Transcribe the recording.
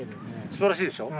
すばらしいでしょう。